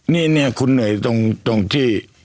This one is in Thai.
นี่เนี่ยคุณเหนื่อยตรงที่